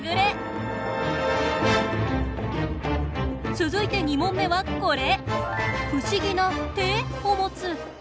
続いて２問目はこれ。